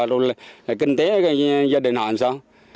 rồi kinh tế gia đình họ làm sao